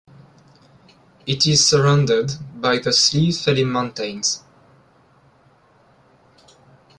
It is surrounded by the Slieve Felim Mountains.